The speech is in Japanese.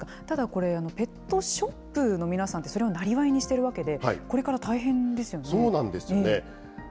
ただこれ、ペットショップの皆さんって、それをなりわいにしているわけで、これそうなんですよね。